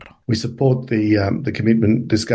kami mendukung komitmen ini